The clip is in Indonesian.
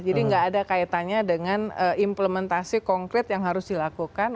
jadi tidak ada kaitannya dengan implementasi konkret yang harus dilakukan